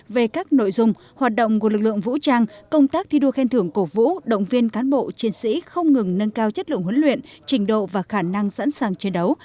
về các nội dung hoạt động của lực lượng vũ trang công tác thi đua khen thưởng cổ vũ động viên cán bộ chiến sĩ không ngừng nâng cao chất lượng huấn luyện trình độ và khả năng sẵn sàng chiến đấu